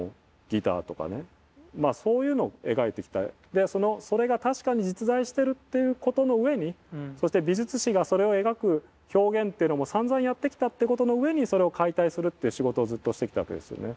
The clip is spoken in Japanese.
でそれが確かに実在してるっていうことの上にそして美術史がそれを描く表現っていうのもさんざんやってきたってことの上にそれを解体するっていう仕事をずっとしてきたわけですよね。